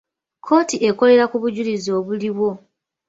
Kkooti ekolera ku bujulizi obuliwo.